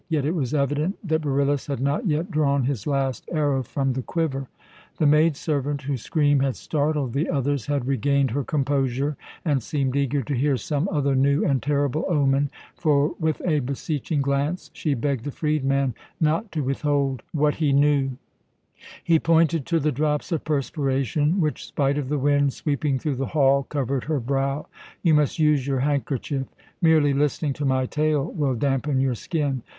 Yet it was evident that Beryllus had not yet drawn his last arrow from the quiver. The maid servant, whose scream had startled the others, had regained her composure and seemed eager to hear some other new and terrible omen, for, with a beseeching glance, she begged the freedman not to withhold the other things he knew. He pointed to the drops of perspiration which, spite of the wind sweeping through the hall, covered her brow: "You must use your handkerchief. Merely listening to my tale will dampen your skin.